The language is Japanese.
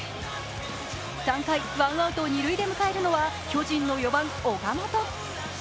３回ワンアウト二塁で迎えるのは巨人の４番・岡本。